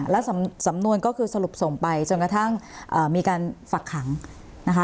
แล้วสำนวนก็คือสรุปส่งไปจนกระทั่งมีการฝักขังนะคะ